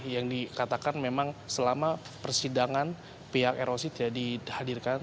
yang dikatakan memang selama persidangan pihak roc tidak dihadirkan